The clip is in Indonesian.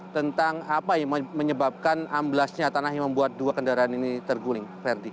tentang apa yang menyebabkan amblasnya tanah yang membuat dua kendaraan ini terguling verdi